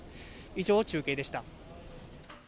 以上、中継でした。